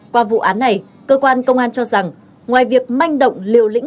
qua vụ án này cơ quan công an cho rằng ngoài việc manh động liều lĩnh